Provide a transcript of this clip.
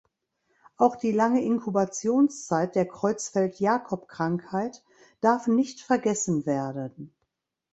Auch die lange Inkubationszeit der Creutzfeld-Jakob-Krankheit darf nicht vergessen werden.